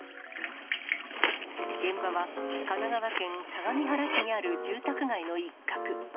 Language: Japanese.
現場は神奈川県相模原市にある住宅街の一角。